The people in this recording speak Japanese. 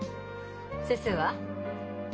先生は？